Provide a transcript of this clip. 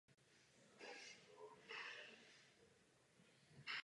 Mnoho uprchlíků zahynulo spolu se zaměstnanci drah.